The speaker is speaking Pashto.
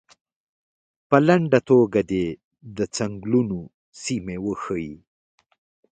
په لنډه توګه دې د څنګلونو سیمې وښیي.